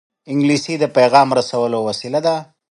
انګلیسي د پېغام رسولو وسیله ده